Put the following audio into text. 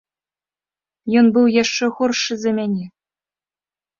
Ён быў яшчэ горшы за мяне.